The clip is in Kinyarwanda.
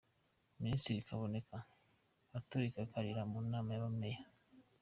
-Ministri Kaboneka aturika akarira mu nama n’aba Mayor